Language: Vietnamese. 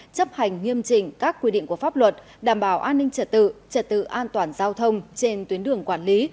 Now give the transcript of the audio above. chấp hành nghiêm trình các quy định của pháp luật đảm bảo an ninh trật tự trật tự an toàn giao thông trên tuyến đường quản lý